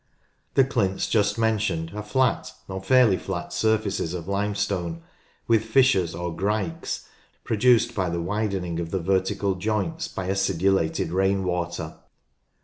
The clints just mentioned are flat or fairly flat surfaces of limestone with fissures or "grikes" produced by the widening of the vertical joints by acidulated rain water.